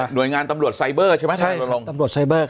ใช่ตำรวจไซเบอร์ครับ